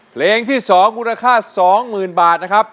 เพลงที่๒มูลค่า๒๐๐๐บาทนะครับ